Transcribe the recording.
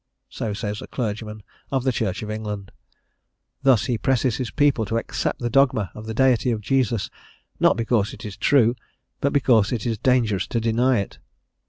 _" So says a clergyman of the Church of England. Thus he presses his people to accept the dogma of the Deity of Jesus, not because it is true, but because it is dangerous to deny it.